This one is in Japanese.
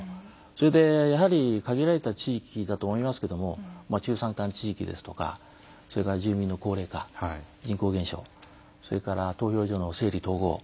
それでやはり限られた地域だと思いますけれども山間地域ですとか住民の高齢化人口減少、投票所の整理・統合。